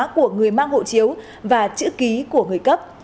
của người mang hộ chiếu và chữ ký của người cấp